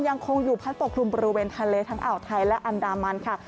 ยังคงอยู่พัดปกคลุมบริเวณทะเลทั้งอ่าวไทยและอันดามันค่ะ